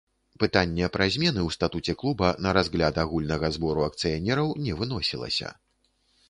Пытанне пра змены ў статуце клуба на разгляд агульнага збору акцыянераў не выносілася.